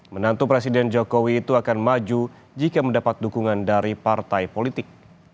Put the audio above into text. menantu presiden jokowi itu akan maju jika mendapat dukungan dari partai politik